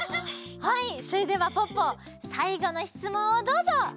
はいそれではポッポさいごのしつもんをどうぞ！